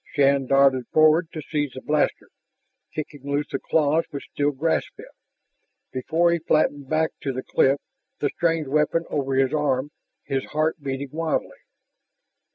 Shann darted forward to seize the blaster, kicking loose the claws which still grasped it, before he flattened back to the cliff, the strange weapon over his arm, his heart beating wildly.